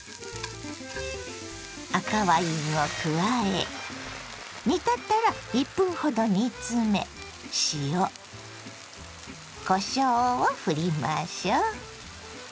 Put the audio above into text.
赤ワインを加え煮立ったら１分ほど煮詰め塩こしょうをふりましょう。